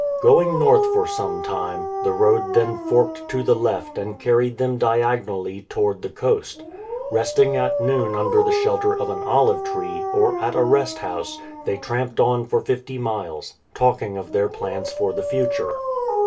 Going north for some time, the road then forked to the left and carried them diagonally toward the coast. Resting at noon under the shelter of an olive tree, or at a rest house, they tramped on for fifty miles, talking of their plans for the future.